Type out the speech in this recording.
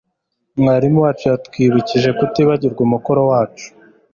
Umwarimu wacu yatwibukije kutibagirwa umukoro wacu